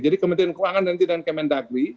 jadi kementerian keuangan nanti dengan kemen dagli